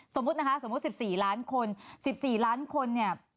สมมติ๑๔๐๐๐๐๐๐คน